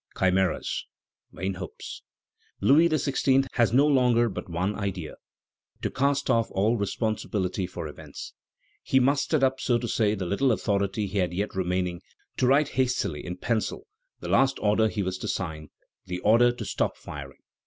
Chimeras! vain hopes! Louis XVI. has no longer but one idea: to cast off all responsibility for events. He mustered up, so to say, the little authority he had yet remaining, to write hastily, in pencil, the last order he was to sign: the order to stop firing.